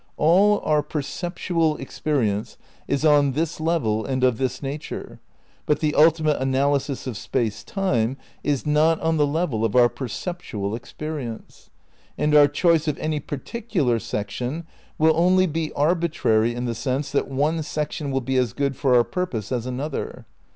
All our per ceptual experience is on this level and of this nature, but the ultimate analysis of Space Time is not on the level of our perceptual experience. And our choice of any particular section will only be arbitrary in the sense that one section will be as good for our purpose as another.